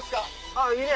あっいいね